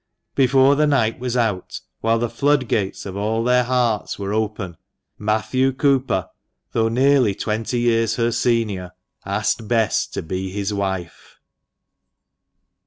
Before the night was out, while the flood gates or all their hearts were open, Matthew Cooper, though nearly twenty years her senior, asked Bess to be his wife!